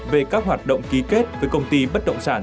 về các hoạt động ký kết với công ty bất động sản